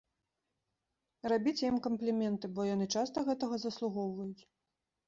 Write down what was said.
Рабіце ім кампліменты, бо яны часта гэтага заслугоўваюць.